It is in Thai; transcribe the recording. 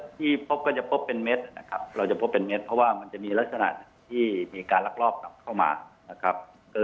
ที่พบก็จะพบเป็นเม็ดนะครับเราจะพบเป็นเม็ดเพราะว่ามันจะมีลักษณะที่มีการลักลอบกลับเข้ามานะครับ